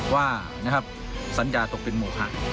ว่านะครับสัญญาตกเป็นหมดค่ะ